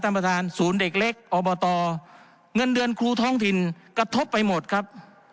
ท่านประธานศูนย์เด็กเล็กอบตเงินเดือนครูท้องถิ่นกระทบไปหมดครับ